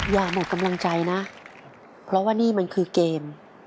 หมดกำลังใจนะเพราะว่านี่มันคือเกม